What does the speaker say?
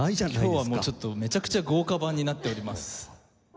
今日はもうめちゃくちゃ豪華版になっております。